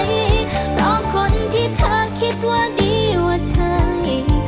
เพราะคนที่เธอคิดว่าดีว่าใช่